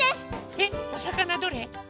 えっおさかなどれ？